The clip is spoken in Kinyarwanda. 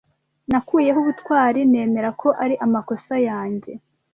Nakuyeho ubutwari nemera ko ari amakosa yanjye.